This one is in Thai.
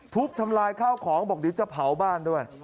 ทุบทำลายข้าวของบอกเดี๋ยวจะเผาบ้านด้วย